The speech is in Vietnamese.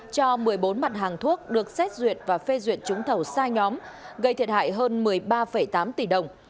cho một mươi bốn mặt hàng thuốc được xét duyệt và phê duyệt trúng thầu sai nhóm gây thiệt hại hơn một mươi ba tám tỷ đồng